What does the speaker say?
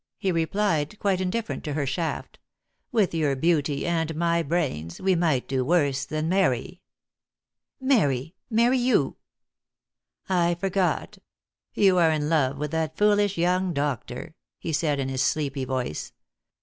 he replied, quite indifferent to her shaft. "With your beauty and my brains, we might do worse than marry!" "Marry marry you!" "I forgot. You are in love with that foolish young doctor," he said in his sleepy voice.